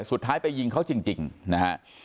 สุดท้ายไปยิงเขาจริงนะฮะ